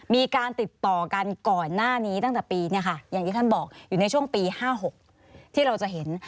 มีการติดต่อกันก่อนหน้านี้ตั้งแต่ปีเนี่ยค่ะอย่างที่ท่านบอกอยู่ในช่วงปี๕๖ที่เราจะเห็น